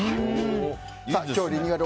今日リニューアル